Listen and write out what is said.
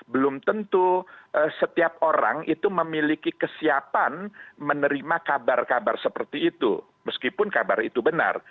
belum tentu setiap orang itu memiliki kesiapan menerima kabar kabar seperti itu meskipun kabar itu benar